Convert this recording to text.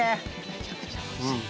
めちゃくちゃおいしい。